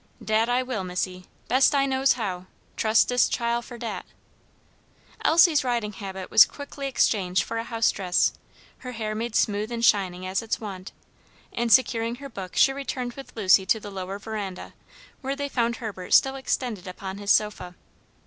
"Dat I will, missy; best I knows how. Trus' dis chile for dat." Elsie's riding habit was quickly exchanged for a house dress, her hair made smooth and shining as its wont, and securing her book she returned with Lucy to the lower veranda, where they found Herbert still extended upon his sofa.